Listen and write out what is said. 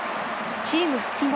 チーム復帰後